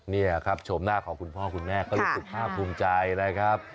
นี่ครับโฉมหน้าของคุณพ่อคุณแม่ก็รู้สึกภาพภูมิใจนะครับ